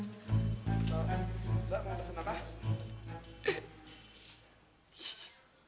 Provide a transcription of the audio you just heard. soal ada kesempatan mbak mau pesan apa